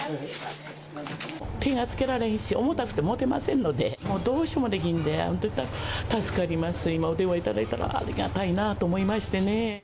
手が付けられんし、重たくて持てませんので、もうどうしようもできんで、本当助かります、今、お電話いただいたら、ありがたいなと思いましてね。